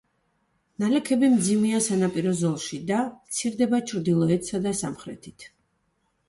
ნალექები მძიმეა სანაპირო ზოლში და მცირდება ჩრდილოეთსა და სამხრეთით.